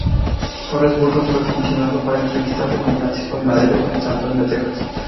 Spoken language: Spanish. Torres Burgos fue comisionado para entrevistarse con Francisco I. Madero en San Antonio, Texas.